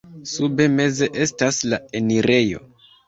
Sube meze estas la enirejo.